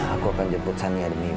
aku akan jemput sanya demi emang